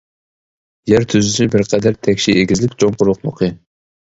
يەر تۈزۈلۈشى بىر قەدەر تەكشى، ئېگىزلىك چوڭ قۇرۇقلۇقى.